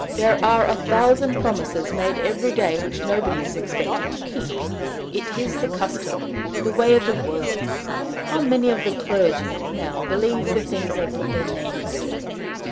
"There are a thousand promises made every day which nobody is expected to keep. It is the custom, the way of the world! How many of the clergy, now, believe the things they put their names to?"